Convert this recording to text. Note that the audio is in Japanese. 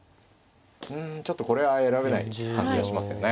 うんちょっとこれは選べない感じがしますよね。